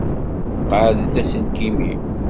Qaɛdeɣ aselkim-iw.